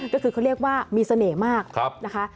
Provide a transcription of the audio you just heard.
ก็คือเขาเรียกว่ามีเสน่ห์มากนะคะ